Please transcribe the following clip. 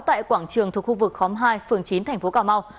tại quảng trường thuộc khu vực khóm hai phường chín tp cà mau